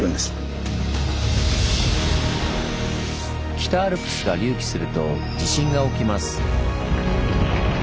北アルプスが隆起すると地震が起きます。